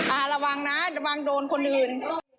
ระวังนะระวังโดนคนอื่น